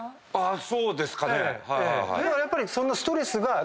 そうですかね？